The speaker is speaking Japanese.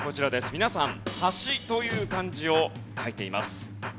皆さん「端」という漢字を書いています。